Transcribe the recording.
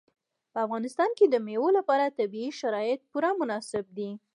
په افغانستان کې د مېوو لپاره طبیعي شرایط پوره مناسب دي.